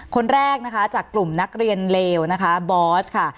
คนแรกนะคะจากกลุ่มนักเรียนเลวนะคะบอสค่ะ